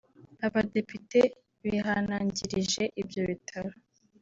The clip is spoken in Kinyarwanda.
Abadepite bihanangirije ibyo bitaro